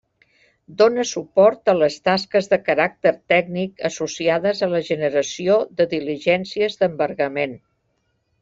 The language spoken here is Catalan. Dóna suport a les tasques de caràcter tècnic associades a la generació de diligències d'embargament.